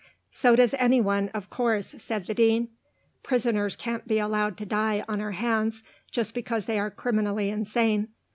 "So does anyone, of course," said the Dean. "Prisoners can't be allowed to die on our hands just because they are criminally insane.